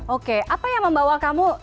oke apa yang membawa kamu